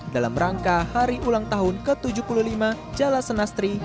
dalam rangka hari ulang tahun ke tujuh puluh lima jalasenas tiga